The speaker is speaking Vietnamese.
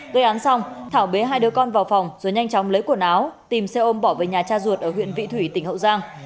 gây án xong thảo bế hai đứa con vào phòng rồi nhanh chóng lấy quần áo tìm xe ôm bỏ về nhà cha ruột ở huyện vị thủy tỉnh hậu giang